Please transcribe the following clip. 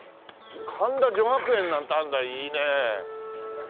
神田女学園なんてあるんだいいね。